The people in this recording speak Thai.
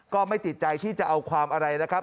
ก็ไม่ติดใจที่จะเอาความอะไรนะครับ